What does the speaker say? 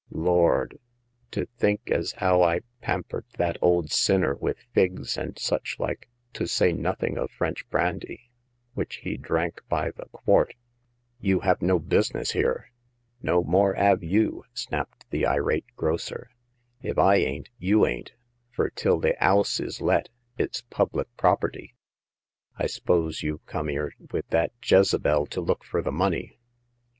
Lord ! to think as 'ow I pampered that old sinner with figs and such like — to say nothing of French brandy, which he drank by the quart !"You have no business here !"" No more 'ave you !" snapped the irate grocer. " If I ain't, you ain't, fur till the 'ouse is let it's public property. I s'pose you've come 'ere with that Jezebel to look fur the money